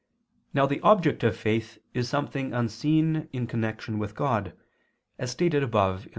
Now the object of faith is something unseen in connection with God, as stated above (A.